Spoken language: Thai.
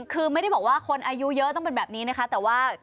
คือไม่ได้บอกว่าคนอายุเยอะต้องเป็นแบบนี้นะคะแต่ว่า